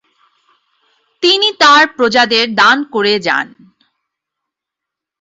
তিনি তার প্রজাদের দান করে যান।